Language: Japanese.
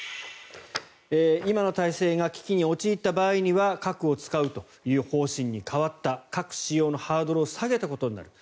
今の体制が危機に陥った場合には核を使うという方針に変わった核使用のハードルを下げたことになる。